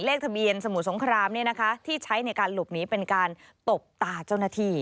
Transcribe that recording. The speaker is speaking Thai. เลขทะเบียนสมุทรสงครามที่ใช้ในการหลบหนีเป็นการตบตาเจ้าหน้าที่